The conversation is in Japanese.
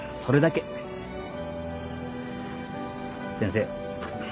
先生